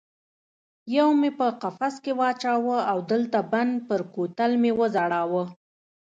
یو مې په قفس کې واچاوه او د لته بند پر کوتل مې وځړاوه.